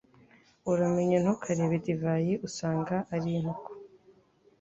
Uramenye ntukarebe divayi usanga ari intuku